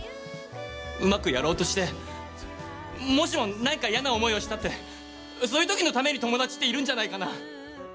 うまくやろうとしてもしも何か嫌な思いをしたってそういう時のために友達っているんじゃないかな？